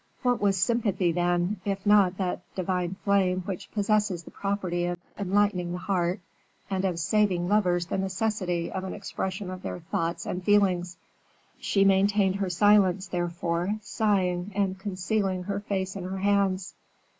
What was sympathy, then, if not that divine flame which possesses the property of enlightening the heart, and of saving lovers the necessity of an expression of their thoughts and feelings? She maintained her silence, therefore, sighing, and concealing her face in her hands.